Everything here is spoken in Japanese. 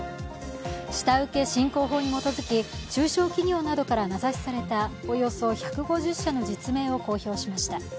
下請振興法に基づき中小企業などから名指しされたおよそ１５０社の実名を公表しました